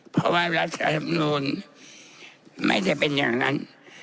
เพราะว่ารัฐธรรมนูลไม่ได้เป็นอย่างนั้น